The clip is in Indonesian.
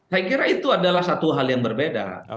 saya kira itu adalah satu hal yang berbeda